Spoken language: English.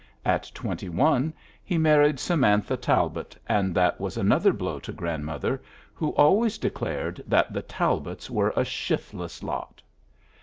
At twenty one he married Samantha Talbott, and that was another blow to grandmother, who always declared that the Talbotts were a shiftless lot.